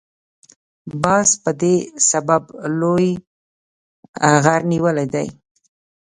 باز په دې سبب لوی غر نیولی دی.